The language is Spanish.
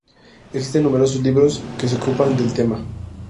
Existen numerosos libros que se ocupan del tema.